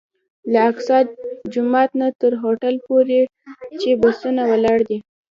له اقصی جومات نه تر هوټل پورې چې بسونه ولاړ دي.